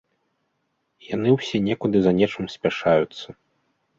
Яны ўсе некуды за нечым спяшаюцца.